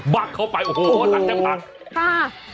บักเข้าไปโอ้โฮตักแจ้งปัก